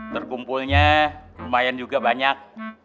terkumpulnya lumayan juga banyak